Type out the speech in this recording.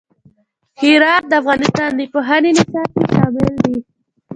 هرات د افغانستان د پوهنې نصاب کې شامل دي.